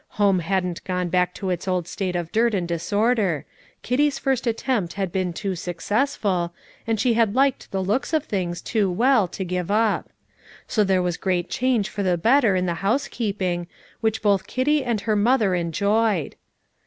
Home hadn't gone back to its old state of dirt and disorder: Kitty's first attempt had been too successful, and she had liked the looks of things too well to give up; so there was a great change for the better in the housekeeping, which both Kitty and her mother enjoyed.